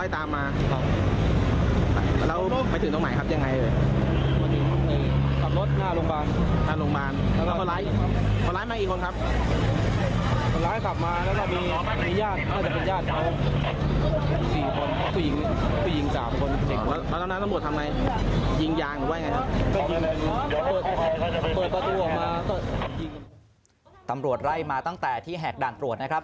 ตำรวจไล่มาตั้งแต่ที่แหกด่านตรวจนะครับ